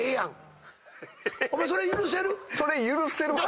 お前それ許せる？